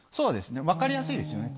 分かりやすいですよね